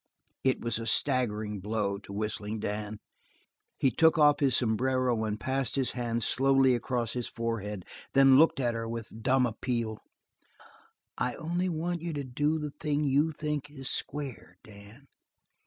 It was a staggering blow to Whistling Dan. He took off his sombrero and passed his hand slowly across his forehead, then looked at her with a dumb appeal. "I only want you to do the thing you think is square, Dan."